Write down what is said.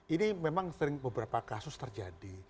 ini memang sering beberapa kasus terjadi